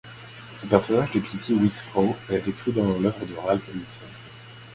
Ce personnage de Peetie Wheatstraw est décrit dans l'œuvre de Ralph Ellison.